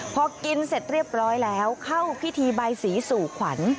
พอกินเสร็จเรียบร้อยแล้วเข้าพิธีใบสีสู่ขวัญ